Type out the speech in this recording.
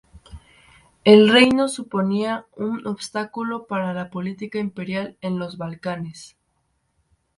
El reino suponía un obstáculo para la política imperial en los Balcanes.